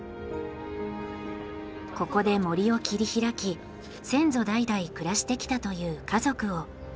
ここで森を切り開き先祖代々暮らしてきたという家族を訪ねました。